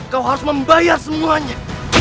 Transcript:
kau harus membayar semuanya